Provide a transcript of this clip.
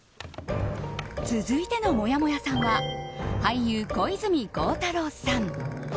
続いてのもやもやさんは俳優・小泉孝太郎さん。